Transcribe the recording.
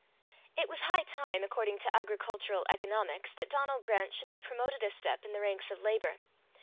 It was high time, according to agricultural economics, that Donal Grant should be promoted a step in the ranks of labour.